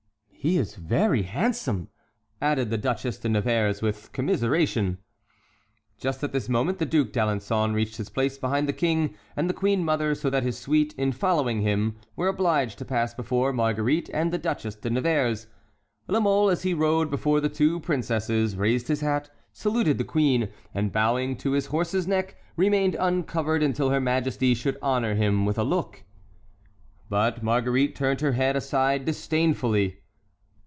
"He is very handsome," added the Duchesse de Nevers, with commiseration. Just at this moment the Duc d'Alençon reached his place behind the King and the queen mother, so that his suite, in following him, were obliged to pass before Marguerite and the Duchesse de Nevers. La Mole, as he rode before the two princesses, raised his hat, saluted the queen, and, bowing to his horse's neck, remained uncovered until her majesty should honor him with a look. But Marguerite turned her head aside disdainfully.